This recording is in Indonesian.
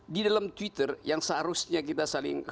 di dalam twitter yang seharusnya kita saling